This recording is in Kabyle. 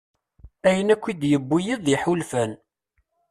Ayen akk i d-yewwi yiḍ deg yiḥulfan.